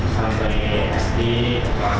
sampai smp kelas delapan